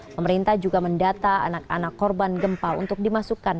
pemerintah juga mendata anak anak korban gempa untuk dimasukkan